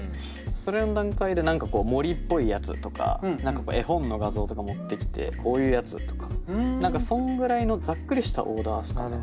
それの段階で何かこう森っぽいやつとか絵本の画像とか持ってきてこういうやつとか何かそんぐらいのざっくりしたオーダーっすかね。